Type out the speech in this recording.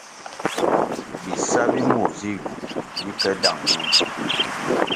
Bisa bi mur zi yu bi ke dáng ñiung.